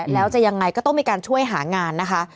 แล้วจะยังไงก็ต้องมีการช่วยหางานนะคะ